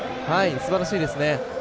すばらしいですね。